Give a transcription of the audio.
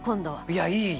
いやいい！